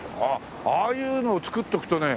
ああいうのを作っておくとね。